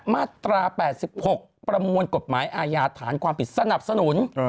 มาตรา๘๖ประมวลกฎหมายอาญาฐานความผิดสนับสนุน